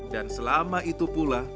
dan selama itu pula